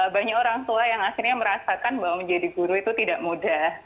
banyak orang tua yang akhirnya merasakan bahwa menjadi guru itu tidak mudah